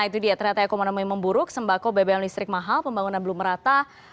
itu dia ternyata ekonomi memburuk sembako bbm listrik mahal pembangunan belum merata